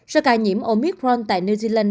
số ca nhiễm omicron tại new zealand